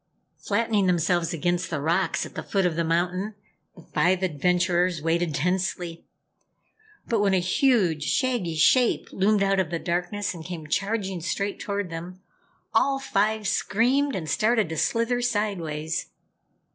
Flattening themselves against the rocks at the foot of the mountain, the five adventurers waited tensely. But when a huge, shaggy shape loomed out of the darkness and came charging straight toward them, all five screamed and started to slither sideways.